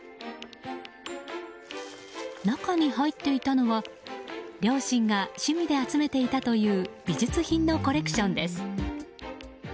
中に入っていたのは両親が趣味で集めていたという美術品のコレクションです。